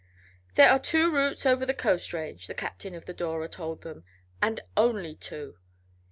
"There are two routes over the coast range," the captain of the Dora told them, "and only two.